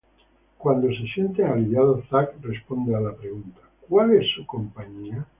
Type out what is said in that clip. Cuando se sienten aliviados, Zack responde a la pregunta: "¿Cual es su compañía?